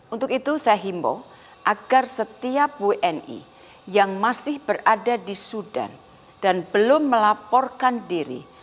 untuk itu saya himbau agar setiap wni yang masih berada di sudan dan belum melaporkan diri